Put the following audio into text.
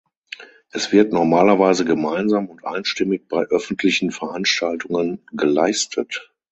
Es wird normalerweise gemeinsam und einstimmig bei öffentlichen Veranstaltungen geleistet.